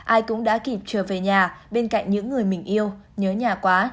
ai cũng đã kịp trở về nhà bên cạnh những người mình yêu nhớ nhà quá